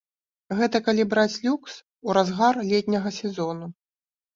Гэта калі браць люкс у разгар летняга сезону.